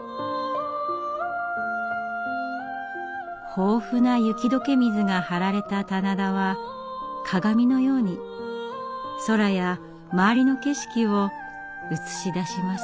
豊富な雪解け水が張られた棚田は鏡のように空や周りの景色を映し出します。